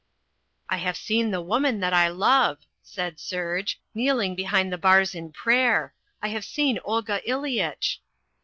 "I have seen the woman that I love," said Serge, "kneeling behind the bars in prayer. I have seen Olga Ileyitch."